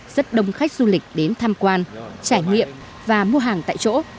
rất đông khách du lịch đến tham quan trải nghiệm và mua hàng tại chỗ